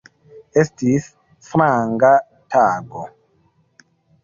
Estis stranga tago.